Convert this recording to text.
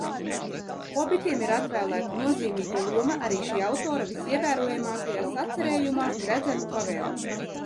"Hobitiem ir atvēlēta nozīmīga loma arī šī autora visievērojamākajā sacerējumā "Gredzenu pavēlnieks"."